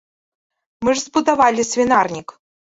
Мы ж збудавалі свінарнік.